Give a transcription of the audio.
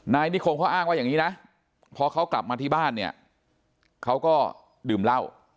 นายนิคมเขาอ้างว่าอย่างนี้นะพอเขากลับมาที่บ้านเนี่ยเขาก็ดื่มเหล้า